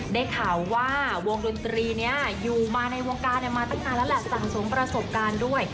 ได้ข่าวว่าวงดนตรีนี้อยู่มาในวงการมาตั้งนานแล้วแหละสั่งสมประสบการณ์ด้วย